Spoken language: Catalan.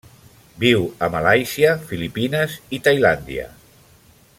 Viu a Malàisia, Filipines i Tailàndia.